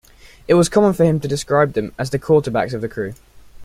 It was common for him to describe them as the "quarterbacks" of the crew.